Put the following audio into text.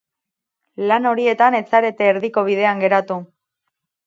Lan horietan ez zarete erdiko bidean geratu.